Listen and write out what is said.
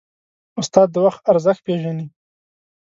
استاد د وخت ارزښت پېژني.